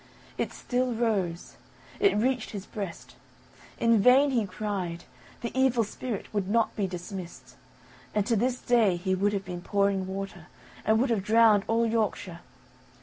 It still rose; it reached his breast. In vain he cried; the evil spirit would not be dismissed, and to this day he would have been pouring water, and would have drowned all Yorkshire.